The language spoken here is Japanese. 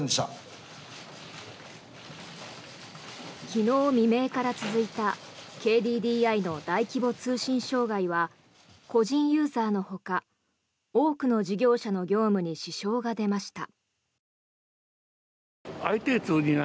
昨日未明から続いたＫＤＤＩの大規模通信障害は個人ユーザーのほか多くの事業者の業務に支障が出ました。